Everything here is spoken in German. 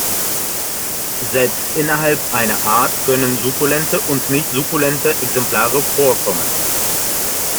Selbst innerhalb einer Art können sukkulente und nicht sukkulente Exemplare vorkommen.